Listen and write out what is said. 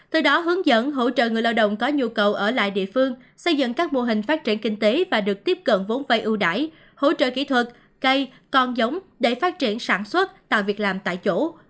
từ đó hướng dẫn hỗ trợ người lao động có nhu cầu ở lại địa phương xây dựng các mô hình phát triển kinh tế và được tiếp cận vốn vay ưu đải hỗ trợ kỹ thuật cây con giống để phát triển sản xuất tạo việc làm tại chỗ